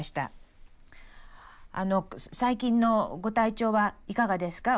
最近のご体調はいかがですか？